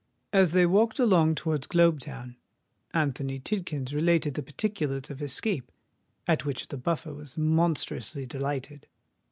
As they walked along towards Globe Town, Anthony Tidkins related the particulars of his escape, at which the Buffer was monstrously delighted.